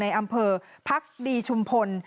ในอำเภอพรรคดีชุมพล